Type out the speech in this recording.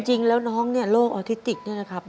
จริงแล้วน้องเนี่ยโรคออทิติกเนี่ยนะครับ